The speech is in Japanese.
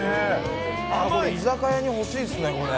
これ、居酒屋に欲しいですね、これ。